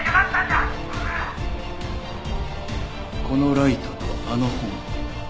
このライトとあの本。